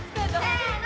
せの！